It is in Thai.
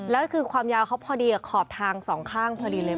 แล้วคือความยาวเขาพอดีกับขอบทางสองข้างพอดีเลย